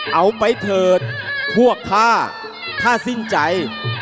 เอาไปเถิดพวกผ้าถ้าสิ้นใจ